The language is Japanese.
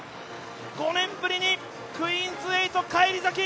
５年ぶりにクイーン８、返り咲き！